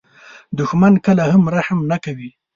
دښمن کله هم رحم نه کوي